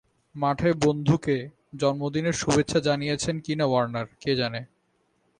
মাঠে বন্ধুকে জন্মদিনের শুভেচ্ছা জানিয়েছেন কি না ওয়ার্নার, কে জানে?